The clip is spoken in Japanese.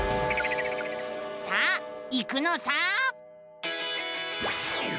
さあ行くのさ！